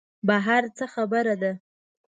بهر څه خبره ده.